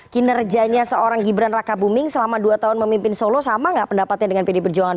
kinerjanya seorang gibran raka buming selama dua tahun memimpin solo sama nggak pendapatnya dengan pd perjuangan